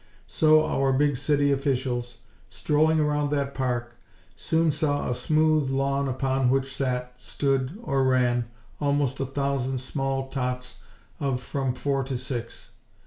So, our big City officials, strolling around that park, soon saw a smooth lawn upon which sat, stood, or ran, almost a thousand small tots of from four to six.